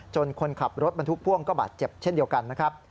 คนขับรถบรรทุกพ่วงก็บาดเจ็บเช่นเดียวกันนะครับ